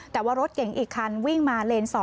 แต่ว่ารถเก๋งอีกคันวิ่งมาเลน๒